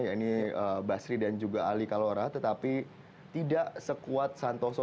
ya ini basri dan juga ali kalora tetapi tidak sekuat santoso